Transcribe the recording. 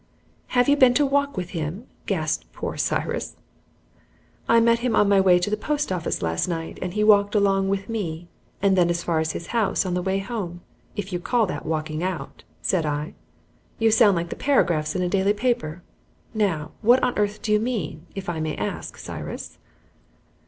"Have you been to walk with him?" gasped poor Cyrus. "I met him on my way to the post office last night, and he walked along with me, and then as far as his house on the way home, if you call that walking out," said I. "You sound like the paragraphs in a daily paper. Now, what on earth do you mean, if I may ask, Cyrus?"